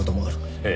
ええ。